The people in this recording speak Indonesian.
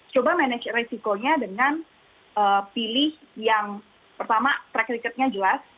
coba manage risikonya dengan pilih yang pertama track record nya jelas